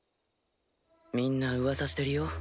みんなうわさしてるよ。